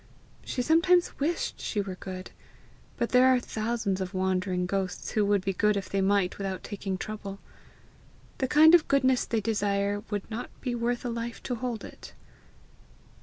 She sometimes wished she were good; but there are thousands of wandering ghosts who would be good if they might without taking trouble: the kind of goodness they desire would not be worth a life to hold it.